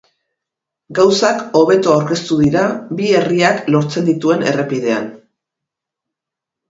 Gauzak hobeto aurkeztu dira bi herriak lortzen dituen errepidean.